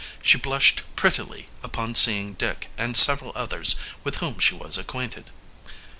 She blushed prettily upon seeing Dick and several others with whom she was acquainted.